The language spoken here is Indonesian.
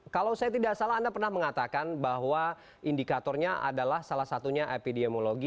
kalau saya tidak salah anda pernah mengatakan bahwa indikatornya adalah salah satunya epidemiologi